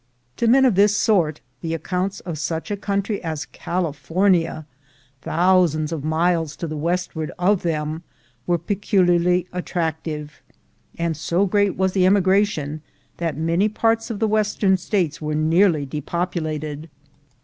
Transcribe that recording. To men of this sort, the accounts of such a country as California, thousands of miles to the westward of them, were peculiarly attractive ; and so great was the emigration, that many parts of the Western States were nearly depopulated.